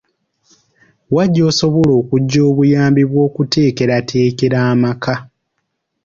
Wa gy’osobola okuggya obuyambi bw’okuteekerateekera amaka?